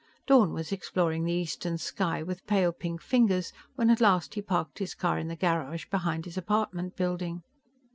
Dawn was exploring the eastern sky with pale pink fingers when at last he parked his car in the garage behind his apartment building.